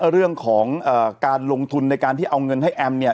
เรื่องของการลงทุนในการที่เอาเงินให้แอมเนี่ย